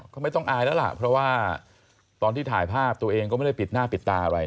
ก็ไม่ต้องอายแล้วล่ะเพราะว่าตอนที่ถ่ายภาพตัวเองก็ไม่ได้ปิดหน้าปิดตาอะไร